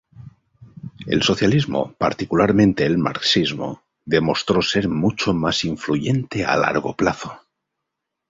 El socialismo, particularmente el marxismo, demostró ser mucho más influyente a largo plazo.